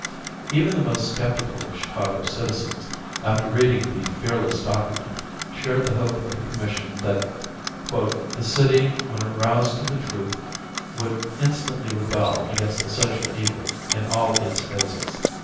Even the most sceptical of Chicago citizens, after reading the fearless document, shared the hope of the commission that "the city, when aroused to the truth, would instantly rebel against the social evil in all its phases."